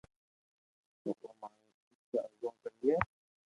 تو او مارو دوک ارگا ڪرئي